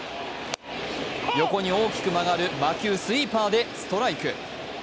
横に大きく曲がるスイーパーでストライク。